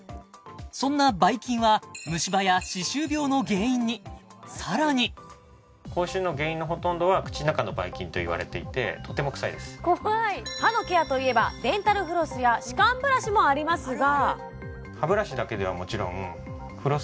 そんなばい菌は虫歯や歯周病の原因にさらに歯のケアといえばデンタルフロスや歯間ブラシもありますが